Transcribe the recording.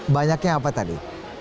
banyaknya apa tadi